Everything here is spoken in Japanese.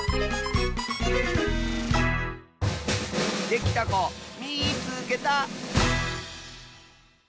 できたこみいつけた！